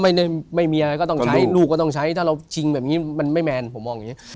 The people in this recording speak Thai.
ไม่มีอะไรก็ต้องใช้ลูกก็ต้องใช้ถ้าเราชิงแบบนี้มันไม่แมนผมมองอย่างนี้